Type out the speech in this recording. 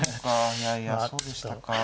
いやいやそうでしたか。